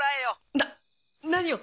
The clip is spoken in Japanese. なっ何を！